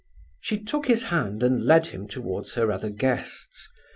She took his hand and led him towards her other guests.